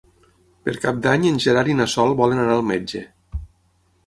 Per Cap d'Any en Gerard i na Sol volen anar al metge.